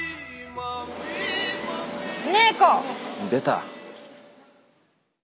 出た！